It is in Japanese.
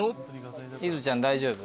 いずちゃん大丈夫？